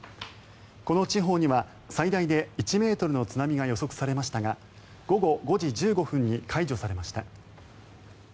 この地方には最大で１ｍの津波が予測されましたが午後５時１５分に解除されました。